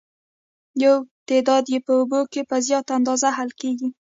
یو تعداد یې په اوبو کې په زیاته اندازه حل کیږي.